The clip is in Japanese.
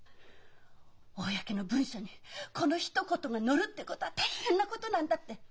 公の文書にこのひと言が載るってことは大変なことなんだって。